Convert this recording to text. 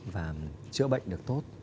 và chữa bệnh được tốt